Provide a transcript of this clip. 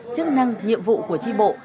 chức năng nhiệm vụ của tri bộ